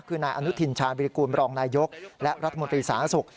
คือนายอนุทินชาญวิรากูลบรองนายกและรัฐมนตรีสาธารณสุข